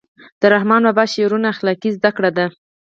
د رحمان بابا شعرونه اخلاقي زده کړه ده.